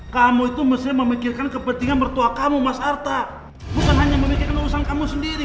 kamu itu mesti memikirkan kepentingan mertua kamu mas arta bukan hanya memikirkan urusan kamu sendiri